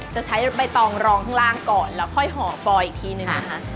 จะใช้ใบตองรองข้างล่างก่อนแล้วค่อยห่อปออีกทีนึงนะคะ